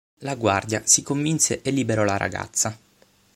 La guardia si convinse e liberò la ragazza.